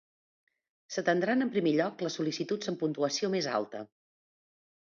S'atendran en primer lloc les sol·licituds amb puntuació més alta.